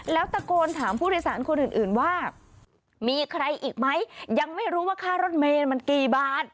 แล้วตะโกนถามผู้โดยสารคนอื่นว่ามีใครอีกไหมยังไม่รู้ว่าค่ารถเมย์มันกี่บาท